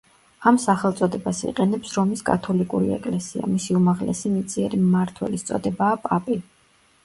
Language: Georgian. ამ სახელწოდებას იყენებს რომის კათოლიკური ეკლესია, მისი უმაღლესი მიწიერი მმართველის წოდებაა პაპი.